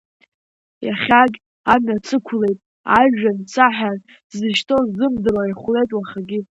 Иахьагь амҩа сықәлеит ажәҩан саҳәан, сзышьҭоу сзымдыруа ихәлеит уахагьы.